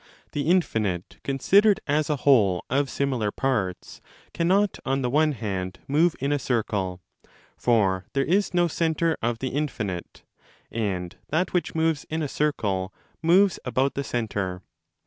The infinite, considered as a whole of similar parts, cannot, on the one hand, move in acircle. For there is no centre of the infinite, and that which moves in a circle moves about the centre.